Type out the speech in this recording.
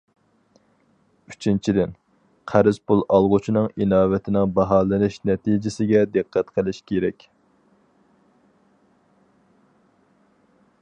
ئۈچىنچىدىن، قەرز پۇل ئالغۇچىنىڭ ئىناۋىتىنىڭ باھالىنىش نەتىجىسىگە دىققەت قىلىش كېرەك.